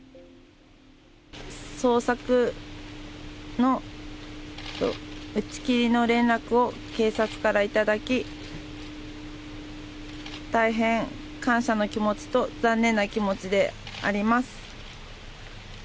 捜索の打ち切りの連絡を警察から頂き、大変感謝の気持ちと、残念な気持ちであります。